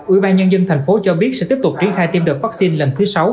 ủy ban nhân dân thành phố cho biết sẽ tiếp tục triển khai tiêm đợt vaccine lần thứ sáu